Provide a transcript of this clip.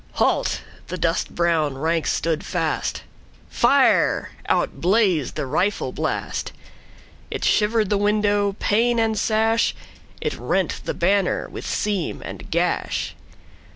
"Halt!"—the dust brown ranks stood fast,"Fire!"—out blazed the rifle blast.It shivered the window, pane and sash; It rent the banner with seam and gash.